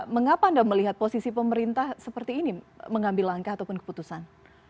mengapa anda melihat posisi pemerintah seperti ini mengambil langkah ataupun keputusan